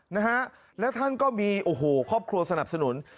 นะฮะและท่านก็มีโอ้โหครอบครัวสนับสนุน